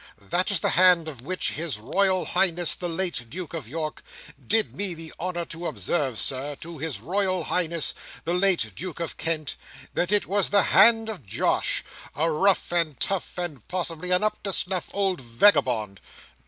That is the hand, of which His Royal Highness the late Duke of York, did me the honour to observe, Sir, to His Royal Highness the late Duke of Kent, that it was the hand of Josh: a rough and tough, and possibly an up to snuff, old vagabond.